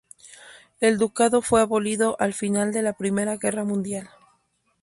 El Ducado fue abolido al final de la Primera Guerra Mundial.